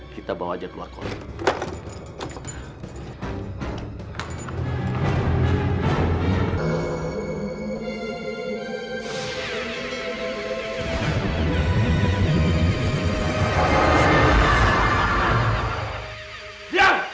kita bawa aja ke luar kota